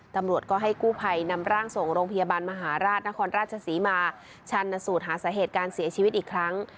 ตำรวจก็ให้กู้ภัยนำร่างส่งโรงพยาบาลมหาราชนครราชศรีมาชันสูตรหาสาเหตุการเสียชีวิตอีกครั้ง